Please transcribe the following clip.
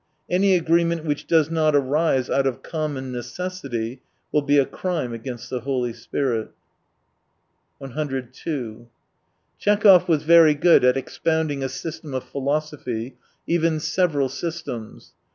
Any agreement which does not arise out of common necessity will be a crime against the Holy Spirit. 112 102 Tchekhov was very good at expounding a system of philosophy — even several systems.